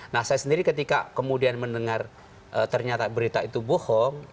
nah saya sendiri ketika kemudian mendengar ternyata berita itu bohong